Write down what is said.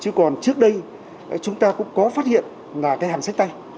chứ còn trước đây chúng ta cũng có phát hiện là cái hàm sách tay